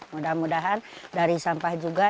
mudah mudahan dari sampah juga